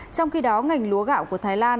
trong khi đó ngành lúa gạo của thái lan